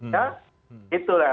ya gitu ya